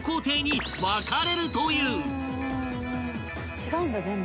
違うんだ全部。